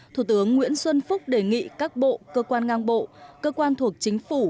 thủ tướng nguyễn xuân phúc đề nghị các bộ cơ quan ngang bộ cơ quan thuộc chính phủ